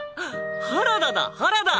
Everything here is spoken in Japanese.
原田だっ原田！